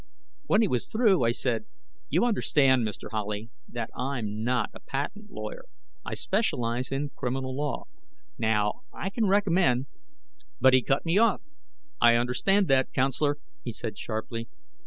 When he was through, I said: "You understand, Mr. Howley that I'm not a patent lawyer; I specialize in criminal law. Now, I can recommend " But he cut me off. "I understand that, counselor," he said sharply.